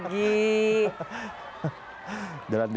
ee untuk resepsi pernikahan dari bobo